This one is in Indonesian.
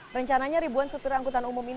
rencananya ribuan sopir angkutan umum ini